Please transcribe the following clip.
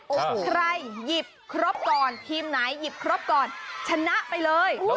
โอ้โหใครหยิบครบก่อนทีมไหนหยิบครบก่อนชนะไปเลย